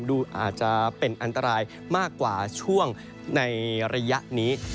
ดูอาจจะเป็นอันตรายมากกว่าช่วงในระยะนี้